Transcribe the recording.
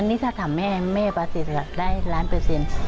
นี่ถ้าถามแม่แม่ประสิทธิ์ได้ล้านเปอร์เซ็นต์